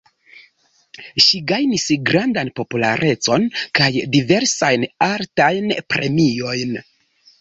Ŝi gajnis grandan popularecon kaj diversajn altajn premiojn.